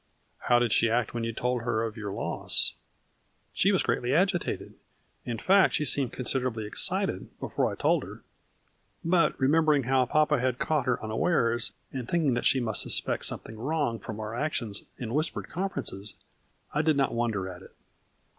" How did she act when you told her of your loss?" " She was greatly agitated, in fact she seemed considerably excited before I told her, but, re membering how papa had caught her unawares, and thinking that she must suspect something wrong from our actions and whispered confer ences, I did not wonder at it."